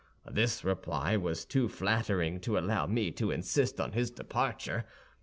This reply was too flattering to allow me to insist on his departure.